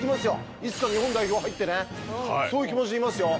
いつか日本代表入ってね、そういう気持ちでいますよ。